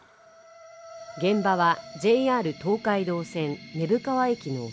現場はＪＲ東海道線根府川駅の沖